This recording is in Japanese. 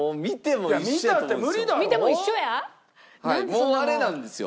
もうあれなんですよ。